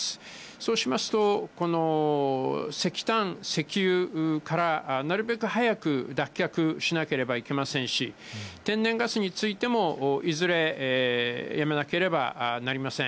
そうしますと、この石炭・石油からなるべく早く脱却しなければいけませんし、天然ガスについても、いずれやめなければなりません。